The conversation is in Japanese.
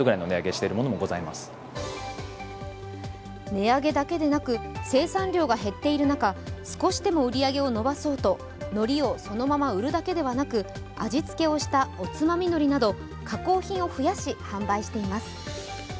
値上げだけでなく、生産量が減っている中、少しでも売り上げを伸ばそうと海苔をそのまま売るだけではなく味付けをしたおつまみ海苔など加工品を増やし、販売しています。